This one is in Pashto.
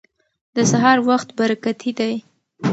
د سهار وخت برکتي دی.